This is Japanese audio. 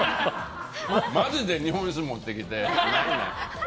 マジで日本酒持ってきてって。